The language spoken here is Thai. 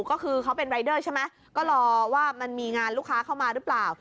ก็คือเขาเป็นรายเดอร์ใช่ไหมก็รอว่ามันมีงานลูกค้าเข้ามาหรือเปล่า